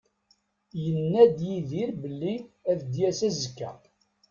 Yenna-d Yidir belli ad d-yas azekka.